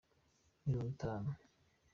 mirongo itanu